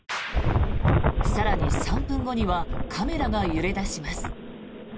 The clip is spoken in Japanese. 更に３分後にはカメラが揺れ出します。